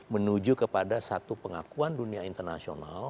menuju kepada satu pengakuan dunia internasional